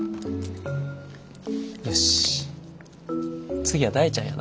よし次は大ちゃんやな。